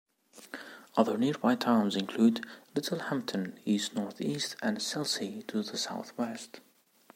Other nearby towns include Littlehampton east-north-east and Selsey to the south-west.